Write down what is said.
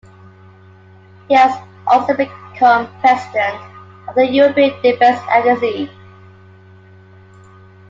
He has also become president of the European Defence Agency.